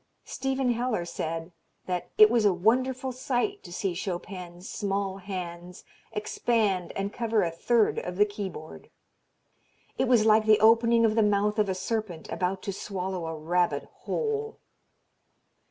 Stephen Heller said that "it was a wonderful sight to see Chopin's small hands expand and cover a third of the keyboard. It was like the opening of the mouth of a serpent about to swallow a rabbit whole."